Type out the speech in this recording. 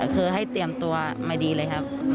คือให้เตรียมตัวมาดีเลยครับ